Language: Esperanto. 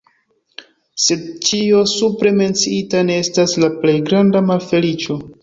Sed ĉio supre menciita ne estas la plej granda malfeliĉo.